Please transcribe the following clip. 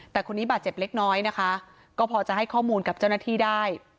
แต่คนนี้บาดเจ็บเล็กน้อยนะคะก็พอจะให้ข้อมูลกับเจ้าหน้าที่ได้